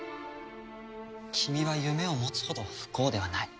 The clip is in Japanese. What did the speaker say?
君は夢を持つほど不幸ではない。